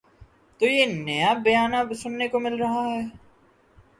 تو یہ نیا بیانیہ سننے کو مل رہا ہے۔